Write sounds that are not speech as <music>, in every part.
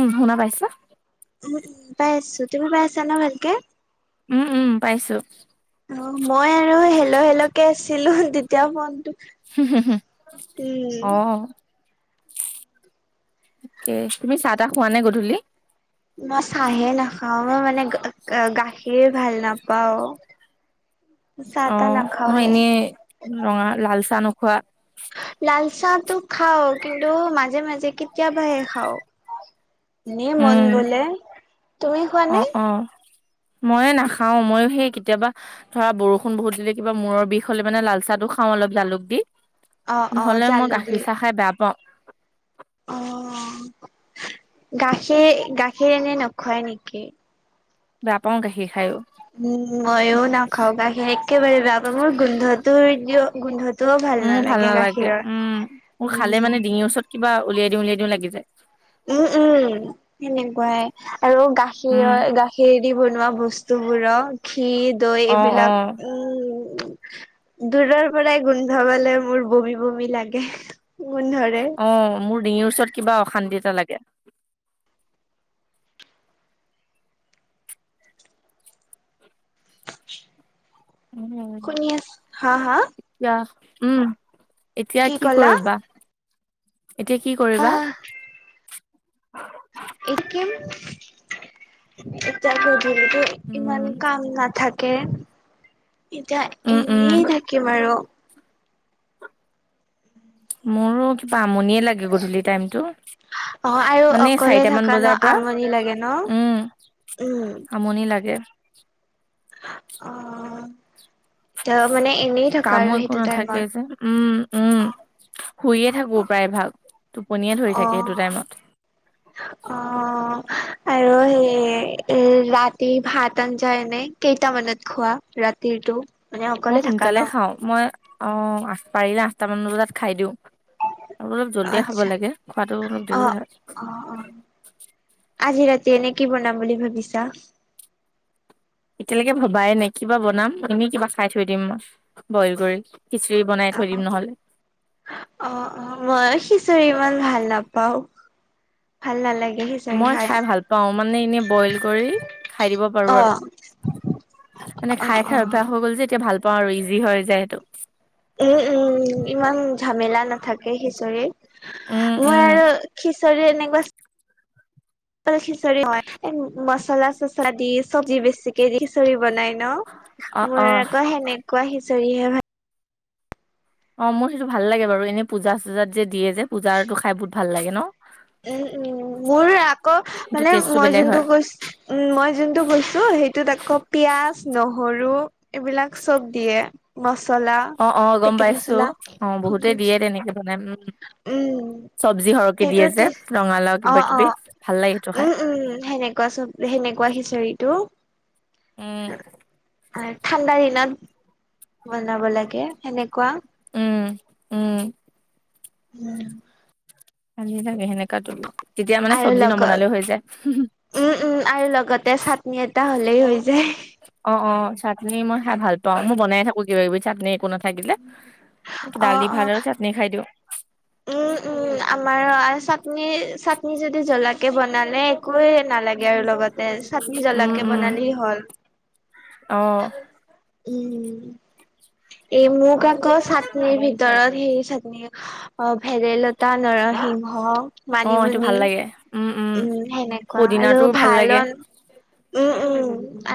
উম, শুনা পাইছা? মইতো পাই আছোঁ। তুমি পাই আছা ন' ভালকে? উম, উম, পাইছোঁ। অ' মই আৰু হেল' হেল'কে আছিলোঁ তেতিয়া ফ'নটো অ'। অ'কে। তুমি চাহ তাহ খোৱা নে গধূলি? মই চাহে নাখাওঁ, মই মানে গাখীৰ ভাল নাপাওঁ। অ'। নহয় এনেই ৰঙা লালচাহ নোখোৱা? লাল চাহটো খাওঁ কিন্তু মাজে মাজে কেতিয়াবাহে খাওঁ। এনেই মন উম, গ'লে। তুমি খোৱা নে? অ', অ', ময়ে নাখাওঁ, মই সেই কেতিয়াবা ধৰা বৰষুণ বহুত দিলে, কিবা মূৰৰ বিষ হ'লে মানে লাল চাহটো খাওঁ অলপ জালুক দি। অ অ নহ'লে মই জালুক দি গাখীৰ চাহ খাই বেয়া পাওঁ। অ' গাখীৰ গাখীৰ এনে নোখোৱা নেকি? বেয়া পাওঁ গাখীৰ খায়ো। উ, ময়ো নাখাওঁ গাখীৰ একেবাৰে বেয়া পাওঁ, মোৰ গোন্ধটো গোন্ধ মোৰ ভাল নালাগে উম। মোৰ খালে উম। মানে ডিঙিৰ ওচৰত কিবা উলিয়াই দিওঁ উলিয়াই দিওঁ লাগি যায়। উম, উম, সেনেকুৱাই আৰু উম, গাখীৰ গা খীৰদি বনোৱা বস্তুবোৰক ঘি, দৈ অ', এইবিলাক অ', উম, দূৰৰপৰাই গোন্ধবালে মোৰ বমি বমি লাগে। গোন্ধৰে অ' মোৰ ডিঙিৰ ওচৰত কিবা অশান্তি এটা লাগে। উম, শুনি আছ, হা হা? এতিয়া উম, এতিয়া কি কৰিবা? এতিয়া কি হা কৰিবা? একেম এতিয়া গধূলিটো ইমান উম কাম নাথাকে। এতিয়া উম উম এনেই থাকিম আৰু। মোৰো কিবা আমনিয়ে লাগে গধূলি টাইমটো। অ আৰু মানে অকলে চাৰিটামান থকা ন বজাৰপৰা আমনি লাগে ন উম। আমনি লাগে। অ'। ত মানে এনেই থকা আৰু কামো একো সেইটো নাথাকে টাইমত যে, উম, উম। শুইয়ে থাকো প্ৰায় ভাগ, টোপনিয়ে ধৰি অ থাকে সেইটো টাইমত। অ' আৰু সেয়ে এ, ৰাতি ভাত আঞ্জা এনে কেইটামানত খোৱা ৰাতিৰটো? মানে মই অকলে থাকা ন সোনকালে খাওঁ। মই অ' পাৰিলে আঠটামান বজাত খাই দিওঁ। আৰু অলপ জল্ডিয়ে খাব আচ্ছা লাগে। খোৱাটো অলপ অ দেৰি হয়। অ অ আজি ৰাতি এনে কি বনাম বুলি ভাবিছা? এতিয়ালৈকে ভবাই নাই কি বা বনাম, এনে কিবা খাই থৈ দিম মই। বইল কৰি খিচিৰি বনাই অ থৈ দিম নহ'লে। অ', অ' মই খিচোৰি ইমান ভাল নাপাওঁ। ভাল নালাগে সি মই খাই ভাল পাওঁ। মানে এনেই বইল কৰি খাই দিব পাৰো অ আৰু। মানে অ খাই খাই অ অভ্যাস হৈ গ'ল যে, এতিয়া ভাল পাওঁ আৰু ইজি হৈ যায় সেইটো। উম, উম, ইমান জামেলা নাথাকে উম খিঁচৰিত। মই উম আৰু খিচ তৰি এনেকুৱা খিচাৰি হয় এণ্ড মচলা চ দি চব্জি বেছিকে দি খিচৰি বনাই ন'? অ অ মোৰ আকৌ সেনে কুৱা খিচাৰিহে ভা অ মোৰ সেইটো ভাল লাগে বাৰু এনেই পূজা চূজাত যে দিয়ে যে, পূজাৰটো খাই বহুত ভাল লাগে ন উম উম মোৰ আকৌ সেইটো মানে টেষ্টটো মই বেলেগ যোনটো হয় কৈছো উম মই যোনটো কৈছো সেইটোত আকৌ পিয়াজ নহৰু এইবিলাক চব দিয়ে মচলা অ অ গম পেকেট পাইছো মচলা অ বহুতেই দিয়ে তেনেকে বনাই উম চব্জি সৰহকে দিয়ে যে সেইটো ৰঙালাও অ কিবা অ কিবি ভাল লাগে সেইটো খাই উম উম সেনেকুৱা চব যে সেনেকুৱা খিচৰিটো উম আৰু ঠাণ্ডা দিনত বনাব লাগে সেনেকুৱা উম উম উম ভালি লাগে সেনেকুৱাটো তেতিয়া মানে আৰু চব্জি লগত নবনালেও হৈ যায়। উম উম আৰু লগতে চাটনি এটা হ'লেই হৈ যায়। অ অ চাটনি মই খাই ভাল পাও মই বনাই থাকো কিবা কিবি চাটনি একো ন থাগিলে দালি অ' ভাত অ' আৰু চাটনি খাই দিওঁ উম উম আমাৰ চাটনি চাটনি যদি জ্বলাকে বনালে একোৱে নালাগে আৰু লগত তে চাটনি উম জ্বলাকে উম বনালি হল, অ উম এ মোক কাক' চাটনিৰ ভিতৰত সেই চাটনি অ ভেদেলতা, নৰসিংহ অ সেইটো ভাল মানিমুনি লাগে। উম সেনেকুৱা আৰু পদিনাটোও ভাল লাগে উম উম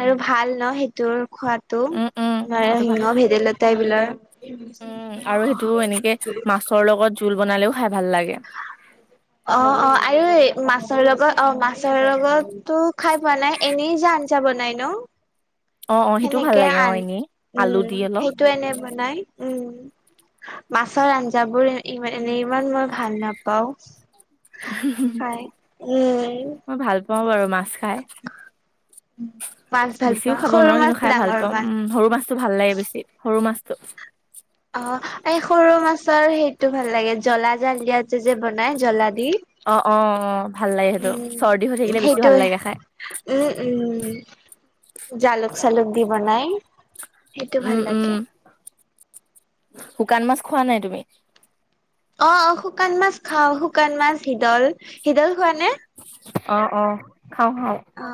আৰু ভাল ন সেইটোৰ খোৱাত তটো উম উম খোৱাটো ভাল নৰসিংহ, ভেদেলতা এইবিলাক ৰ লগত জোল বনালেও খাই ভাল লাগে অ অ আৰু মাছৰ লগত অ মাছৰ লগতটো খাই পোৱা নাই এনেই যে আঞ্জা বনাই ন অ অ সেইটোও ভাল সেনেকে লাগে অ আন এনেই আলু উম দি অলপ সেইটো এনে বনাই উম মাছৰ আঞ্জাবোৰ ই এনে ইমান মই ভাল নাপাও হয় উম অ বাৰু মাছ খাই মাছ ভাল বেছিও পোৱা খাব সৰু নোৱাৰো কিন্তু মাছ খাই ভাল ডাঙৰ পাওঁ মাছ উম সৰু মাছটো ভাল লাগে বেছি সৰু মাছটো অ এই সৰু মাছৰ সেইটো ভাল লাগে জ্বলা জাল দিয়া যে যে বনাই জ্বলা দি অ অ অ ভাল লাগে সেইটো উম চৰ্দি হৈ থাকিলে বেছি ভাল সেইটোৱে লাগে খাই উম উম জালুক চালুক দি বনাই সেইটো ভাল উম উম লাগে শুকান মাছ খোৱা নাই তুমি অ অ শুকান মাছ খাওঁ শুকান মাছ শিদল শিদল খোৱা নে অ অ খাওঁ খাওঁ অ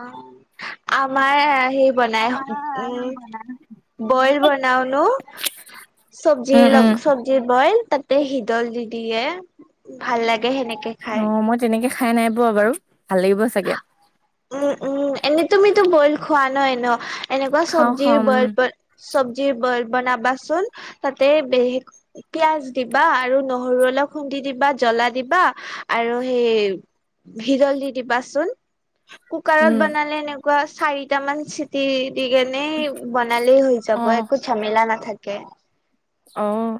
আমাৰ সি বনাই উম বইল বনাই নন <unintelligible> উম চবজিৰ উম লগ চবজি বইল তাতে শিদল দি দিয়ে ভাল লাগে সেনেকে অ খাই। মই তেনেকে খাই নাই পোৱা বাৰু ভাল লাগিব চাগে উম উম এনেই তুমিতো বইল খোৱা ন ন এনেকুৱা খাওঁ চবৰ্জি খাওঁ উম, বইল বল চব্জি বইল বনাবাচোন তাতে পিয়াজ দিবা আৰু নহৰু অলপ খুন্দি দিবা জ্বলা দিবা আৰু সেই ভিদল দি দিবাচোন কুকাৰত উম, বনালে এনেকুৱা চাৰিটামান চিটি দি কেনে বনালেই হৈ যাব অ', একো জেমেলা নাথাকে অ',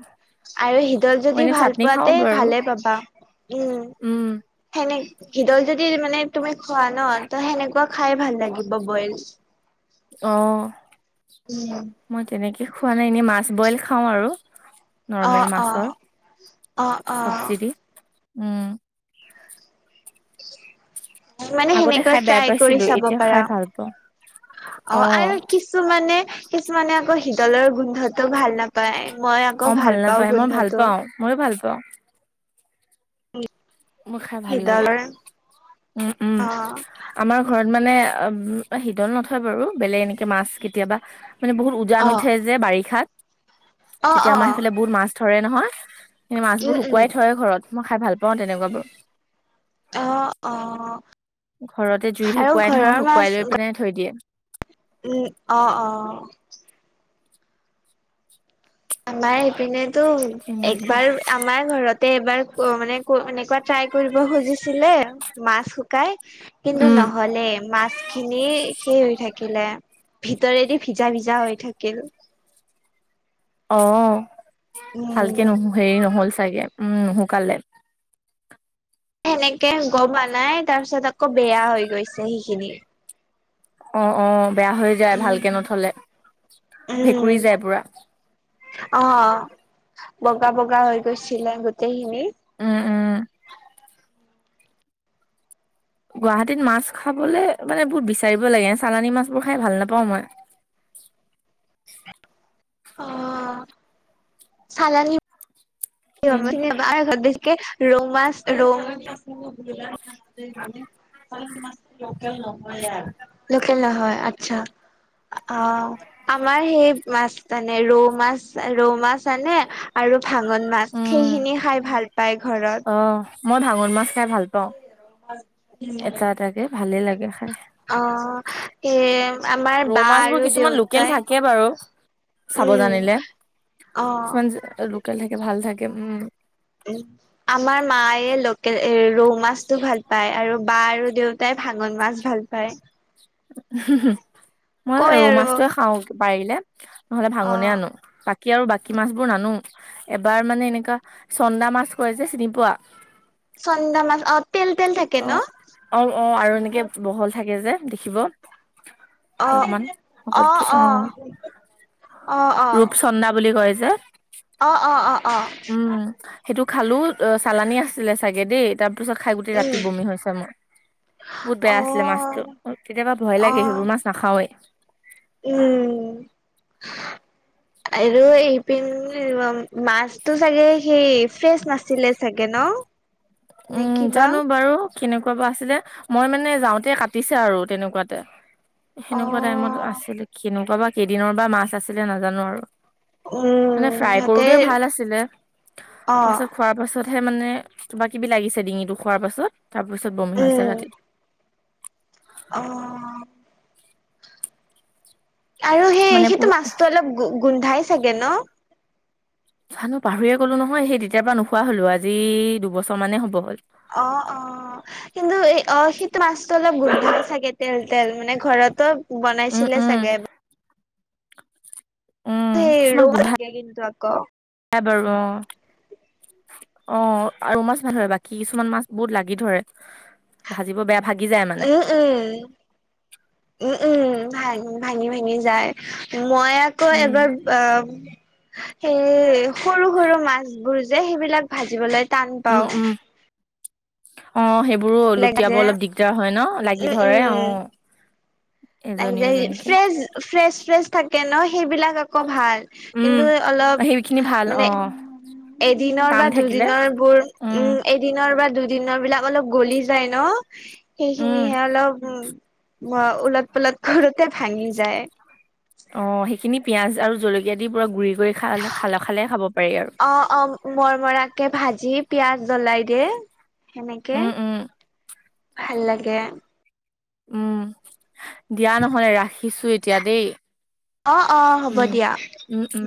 আৰু শিদল মই যদি এনে ভাল চাটনি খাওঁ পোৱাতে বাৰু। ভালে পাবা উম সেনেকে শিদল যদি মানে তুমি খোৱা ন ত সেনেকুৱা খাই ভাল লাগিব বইল অ', উম, মই তেনেকে খোৱা নাই এনেই মাছ বইল খাওঁ আৰু অ নৰ্মেল অ মাছৰ অ অ চবজি দি মানে আগতে সেনেকুৱা খাই বেয়া ট্ৰাই কৰি পাইছিলো, চাব এতিয়া পাৰা খাই ভাল পাওঁ। অ, অ', আৰু কিছুমানে কিছুমানে আকৌ শিদলৰ গোন্ধতটো ভাল নাপায় মই আকৌ অ', ভাল পাওঁ নাপায়, মই ভাল গোন্ধটো পাওঁ, ময়ো ভাল পাওঁ। হয় <unintelligible> মোৰ খাই ভাল লাগে উম উম অ আমাৰ ঘৰত মানে অ, শিদল নথয় বাৰু বেলেগ এনেকে মাছ কেতিয়াবা মানে বহুত উজান অ উঠে যে বাৰিষাত অ তেতিয়া অ আমাৰ সেইফালে বহুত মাছ ধৰে নহয় সেই মাছবোৰ উম উম শুকুৱাই থয় ঘৰত মই খাই ভাল পাওঁ অ অ তেনেকুৱাবোৰো ঘৰতে জুইত আৰু শুকুৱাই নহয় ঘৰৰ মাছ শুকুৱাই লৈ পিনে থৈ দিয়ে উম, অ, অ আমাৰ ইপিনেতো তেনেকুৱা। একবাৰ আমাৰ ঘৰতে এবাৰ মানে এনেকুৱা ট্ৰাই কৰিব খুজিছিলে মাছ শুকাই কিন্তু উম নহ'লে মাছ খিনি সেই হৈ থাকিলে ভিতৰেদি ভিজা ভিজা হৈ থাকিল অ', উম ভালকে ন হেৰি নহ'ল চাগে উম নুশুকালে সেনেকে গম নাই তাৰ পিছত আকৌ বেয়া হৈ গৈছে সেইখিনি অ', বেয়া হৈ যায় উম ভালকে নথলে উম ভেকুৰি যায় পুৰা অ', বগা বগা হৈ গৈছিলে গোটেইখিনি উম উম। গুৱাহাটীত মাছ খাবলৈ মানে, বহুত বিচাৰিব লাগে চালানী মাছ বোৰ খাই ভাল নাপাওঁ মই অ', চালানী এ কিন ঘৰত বেছিকে ৰৌ মাছ ৰৌ লোকেল নহয় আচ্ছা, আমাৰ সেই মাছ মানে, ৰৌ মাছ ৰৌ মাছ আনে আৰু ভাগন মাছ উম সেইখিনি খাই ভাল পাই ঘৰত অ', মই ভাঙোন মাছ খাই ভাল পাওঁ, এটা এটাকে ভালে লাগে খাই অ', - ৰৌ মাছবোৰ কিছুমান লোকেল থাকে বাৰু চাব উম জানিলে অ কিমান লোকেল থাকে ভাল থাকে উম উ আমাৰ মায়ে, লোকেল এ ৰৌ মাছটো ভাল পায় আৰু বা আৰু দেউত তাই ভাাগন মাছ ভাল পায় মই কয় ৰৌ আৰু মাছটোয়ে খাও পাৰিলে, নহলে অ ভাঙনে আনো বাকী, আৰু বাকী মাছবোৰ নানো এবাৰ মানে এনেকুৱা চন্দা মাছ কৰে যে চিনি পোৱা চন্দা মাছ অ তেল তেল থাকে অ, ন অ, অ, আৰু এনেকে বহল থাকে যে দেখিব, অ কি অকমান সকলতকে অ অ অ ৰূপচন্দা বুলি কৈ যে- অ, অ, অ, অ, উম, সেইটো খালো অ চালানী আছিলে চাগে দেই তাৰ তাৰপিছত খাই গোটেই ৰাতি উম বমি হৈছে, মোৰ বহুত বেয়া আছিলে মাছতটো অ', কেতিয়াবা ভয় লাগে অ', সেইবোৰ মাছ নাখাওৱেই উম। আৰু এইপিনে, মাছতটো চাগে সেই ফ্ৰেচ নাছিলে চাগে ন। <inaudible> উম, কিবা জানো বাৰু কেনেকুৱা বা আছিলে, মই মানে যাওঁতে কাটিছে আৰু তেনেকুৱাতে। সেনেকুৱা টাইমত অ', আছিল কেনেকুৱা বা কেইদিনৰ বা মাছ আছিলে নাজানো আৰু। মানে উম, ফ্ৰাই সিহঁতে কৰোতে ভাল আছিলে। অ', পাছত খোৱাৰ পাছতহে মানে, কিবা কিবি লাগিছে ডিঙিটো খোৱাৰ পাছত তাৰপিছত বমি হৈছে উম, ৰাতিটো। অ'। আৰু সেই মানে পুৰ সেইটো মাছটো অলপ গোন্ধাই চাগে ন? চানো পাহৰিয়ে গ'লো নহয় সেই তেতিয়াৰ পৰা নোখোৱা হলো আজি দুবছৰ মানে হ'ব হ'ল। অ', অ'। কিন্তু এই অ' সেইটো মাছটো অলপ গোন্ধাই চাগে তেল তেল মানে ঘৰতো উম বনাইছিলে উম চাগে। উম সেই ৰৌ লাগে কিন্তু আকৌ। খাই বাৰু অ'। অ', আৰু মাছ ন ধৰে বাকী কিছুমান মাছ বহুত লাগি ধৰে। ভাজিব বেয়া ভাগি যায় মানে। উম, উম, উম। ভা ভাঙি-ভাঙি যায় মই আ ক উম এবাৰ অ', সেই সৰু সৰু মাছ বোৰ যে সেইবিলাক ভাজিবলৈ টান উম পাওঁ। উম অ', সেইবোৰো লাগ লুটিয়াব যে অলপ দিগদাৰ হয় ন লাগিল ধৰে অ'। এজনী ত' এজনীকে ফ্ৰেচ ফ্ৰেচ ফ্ৰেচ থাকে ন সেইবিলাক আকৌ ভাল। উম, কিন্তু অলপ সেইখিনি ভাল মানে অ', এদিনৰ টান বা থাকিলে দুদিনৰ বোৰ উম এ দিনৰ বা দুদিনৰ বিলাক অলপ গলি যায় ন, উম, সেইখিনিহে অলপ উম। ওলট পলট ঘৰুতে ভাঙি যায়। অ', সেইখিনি পিয়াজ আৰু জলকীয়া দি পুৰা গুৰি কৰি খালে খালে-খালে খাব পাৰি আৰু। মৰ মৰাকে ভাজি পিয়াজ জ্বলাই দিয়ে সেনেকে উম, উম, ভাল লাগে। উম, দিয়া নহলে ৰাখিছো এতিয়া দেই। অ', অ' হ'ব উম, দিয়া। উম, উম।